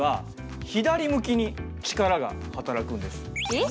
えっ？